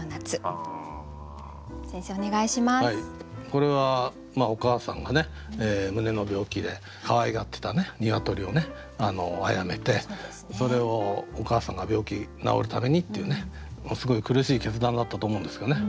これはお母さんが胸の病気でかわいがってた鶏を殺めてそれをお母さんが病気治るためにっていうものすごい苦しい決断だったと思うんですよね。